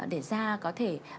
để da có thể